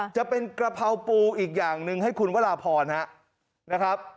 จะเป็นกระเพราปูอีกอย่างหนึ่งให้คุณวราพรนะครับ